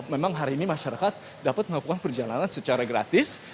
memang hari ini masyarakat dapat melakukan perjalanan secara gratis